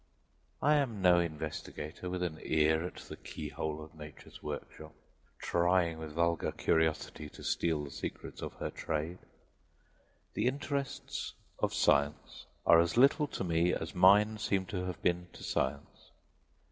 I am no investigator with an ear at the key hole of Nature's workshop, trying with vulgar curiosity to steal the secrets of her trade. The interests of science are as little to me as mine seem to have been to science.